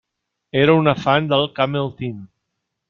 Era una fan del Camel Team.